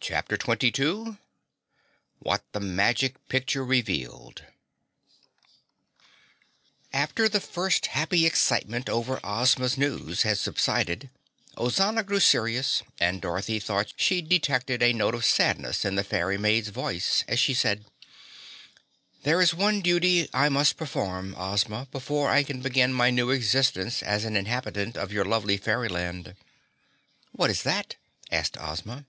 CHAPTER 22 What the Magic Picture Revealed After the first happy excitement over Ozma's news had subsided Ozana grew serious and Dorothy thought she detected a note of sadness in the Fairy Maid's voice as she said: "There is one duty I must perform, Ozma, before I can begin my new existence as an inhabitant of your lovely fairyland." "What is that?" asked Ozma.